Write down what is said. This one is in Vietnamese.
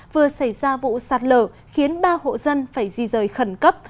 vừa xảy ra vụ sạt lở khiến ba hộ dân phải di rời khẩn cấp